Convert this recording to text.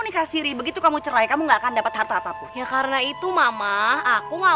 nikah siri begitu kamu cerai kamu nggak akan dapat harta apapun ya karena itu mama aku